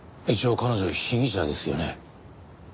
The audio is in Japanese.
一応彼女被疑者ですよね？